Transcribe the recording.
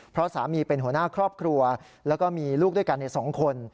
เพราะสามีเป็นหัวหน้าครอบครัวแล้วก็มีลูกด้วยกันใน๒คน